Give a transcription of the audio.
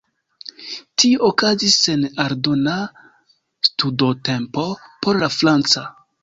Tio okazis sen aldona studotempo por la franca.